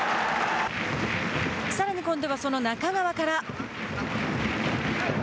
さらに今度はその仲川から。